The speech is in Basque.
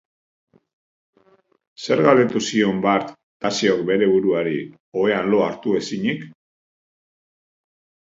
Zer, galdetu zion bart Tasiok bere buruari, ohean lo hartu ezinik.